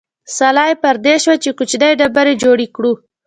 سلا پر دې شوه چې کوچنۍ ډبرې جوړې کړو.